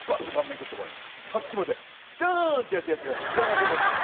さっきまでドーン！ってやったヤツが血だらけで。